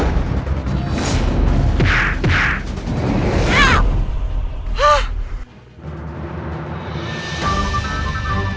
nah sekalian bisalahijkah mama n